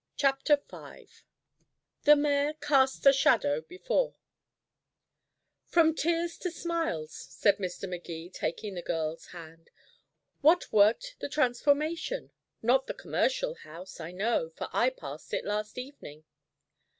CHAPTER V THE MAYOR CASTS A SHADOW BEFORE "From tears to smiles," said Mr. Magee, taking the girl's hand. "What worked the transformation? Not the Commercial House, I know, for I passed it last evening."